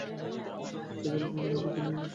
তিনি পুনরায় সৈয়দা লুৎফুন্নেছা বিবিকে বিয়ে করেন।